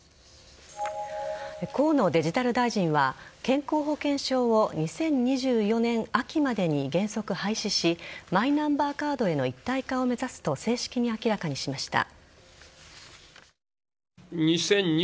河野デジタル大臣は健康保険証を２０２４年秋までに原則廃止しマイナンバーカードへの一体化を目指すと正式に明らかにしました。